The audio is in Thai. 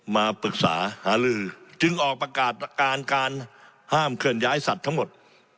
มาปรึกษาหาลือจึงออกประกาศการห้ามเคลื่อนย้ายสัตว์ทั้งหมด